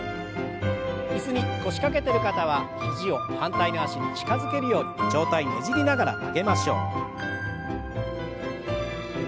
椅子に腰掛けてる方は肘を反対の脚に近づけるように上体ねじりながら曲げましょう。